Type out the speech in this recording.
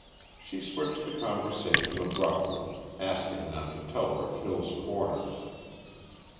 She switched the conversation abruptly, asking them to tell her of Hill's Corners.